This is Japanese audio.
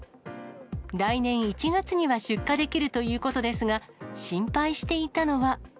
来年１月には出荷できるということですが、心配していたのは。